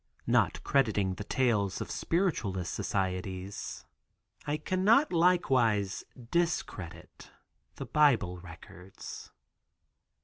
Not crediting the tales of spiritualist societies, I cannot likewise discredit the Bible records.